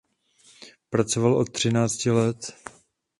Pracoval od třinácti let.